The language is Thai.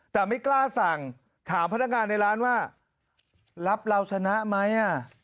แต่ไม่กล้าสั่งถามพนักงานในร้านว่ารับเราชนะไหม